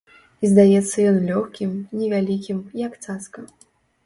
І здаецца ён лёгкім, невялікім, як цацка.